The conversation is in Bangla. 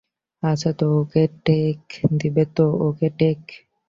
আচ্ছা তো ওকে টেক দিবে তো, - ওকে টেক।